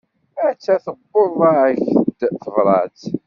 Atta tewweḍ-ak-d tebrat.